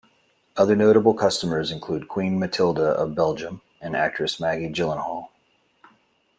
Other notable customers include Queen Mathilde of Belgium, and actress Maggie Gyllenhaal.